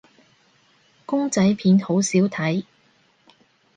公仔片好少睇